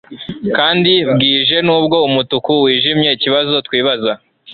Kandi bwije nubwo umutuku wijimye ikibazo twibaza